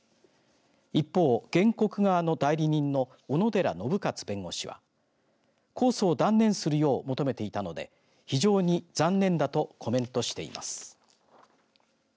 一方、原告側の代理人の小野寺信勝弁護士は控訴を断念するよう求めていたので非常に残念だとコメントしています。